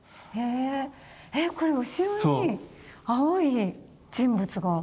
えっこれ後ろに青い人物が。